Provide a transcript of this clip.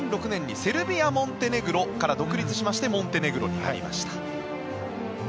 ２００６年にセルビア・モンテネグロから独立しましてモンテネグロになりました。